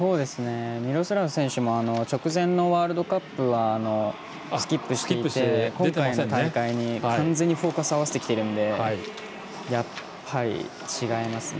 ミロスラフ選手も直前のワールドカップはスキップして、今大会に完全にフォーカスを合わせてきているのでやっぱり、違いますね。